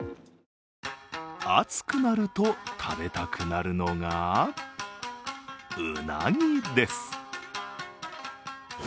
暑くなると食べたくなるのがうなぎです。